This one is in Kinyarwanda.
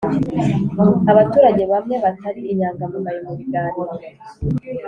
abaturage bamwe batari inyangamugayo Mubiganiro